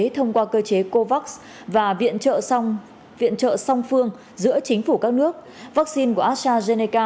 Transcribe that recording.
thông qua cơ chế covax và viện trợ song phương giữa chính phủ các nước vaccine của astrazeneca